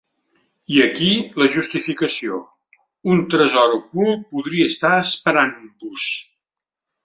I aquí la justificació: un tresor ocult podria estar esperant-vos.